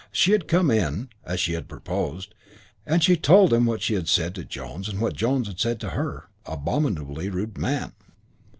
She had come in, as she had proposed, and she told him what she had said to Jones and what Jones had said to her. "Abominably rude man."